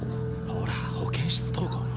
ほら保健室登校の。